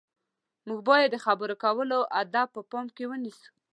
موږ باید د خبرو کولو اداب په پام کې ونیسو.